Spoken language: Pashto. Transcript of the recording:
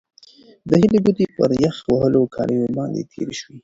د هیلې ګوتې پر یخ وهلو کالیو باندې تېرې شوې.